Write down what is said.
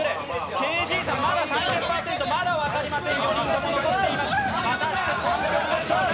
ＫＺさん、まだ３０％、まだ分かりません。